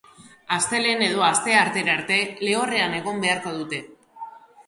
Astelehen edo asteartera arte lehorrean egon beharko dute.